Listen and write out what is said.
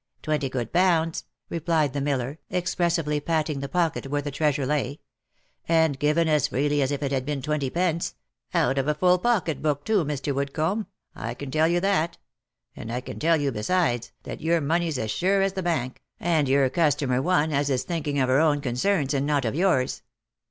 " Twenty good pounds," replied the miller, expressively patting the pocket where the treasure lay, " and given as freely as if it had been twenty pence — out of a full pocket book, too, Mr. Woodcomb, I can tell you that — and I can tell you besides, that your money's as sure as the bank, and your customer One as is thinking of her own concerns and not of yours."